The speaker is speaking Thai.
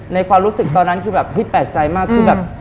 ความรู้สึกตอนนั้นคือแบบพี่แปลกใจมากคือแบบ